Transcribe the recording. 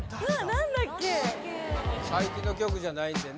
何だっけ最近の曲じゃないんでね